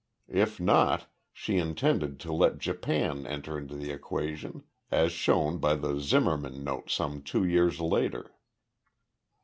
If not, she intended to let Japan enter into the equation as shown by the Zimmerman note some two years later.